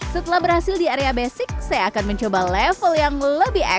setelah berhasil di area basic saya akan mencoba level yang lebih ekstrim